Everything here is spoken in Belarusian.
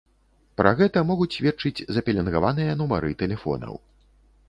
Пра гэта могуць сведчыць запеленгаваныя нумары тэлефонаў.